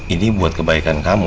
ini buat kebaikan kamu